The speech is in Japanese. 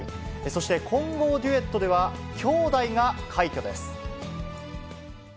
そして混合デュエットでは、姉弟が快挙です。